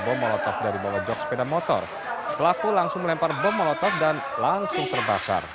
bom molotov dari bawah jog sepeda motor pelaku langsung melempar bom molotov dan langsung terbakar